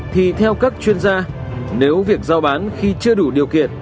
thì theo các chuyên gia nếu việc giao bán khi chưa đủ điều kiện